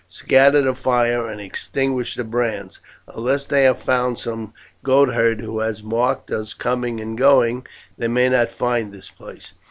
Scatter the fire and extinguish the brands; unless they have found some goatherd who has marked us coming and going, they may not find this place.